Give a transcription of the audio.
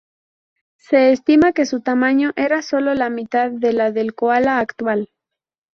Se estima que su tamaño era solo la mitad de la del koala actual.